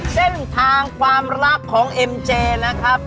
เส้นทางความรักของเอ็มเจนะครับ